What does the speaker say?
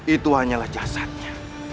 itu hanyalah jasadnya